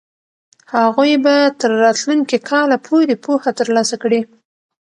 هغوی به تر راتلونکي کاله پورې پوهه ترلاسه کړي.